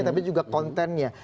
tapi juga kontennya